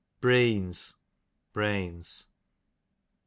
Breans, brains.